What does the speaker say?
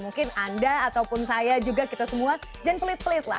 mungkin anda ataupun saya juga kita semua jangan pelit pelit lah